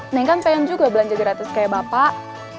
neng kan pengen juga belanja gratis kayak bapak